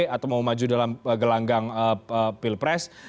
atau mau maju dalam gelanggang pilpres